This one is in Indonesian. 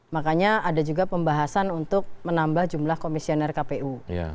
makanya ada juga pembahasan untuk menambah jumlah komisioner kpu